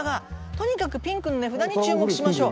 とにかくピンクの値札に注目しましょう。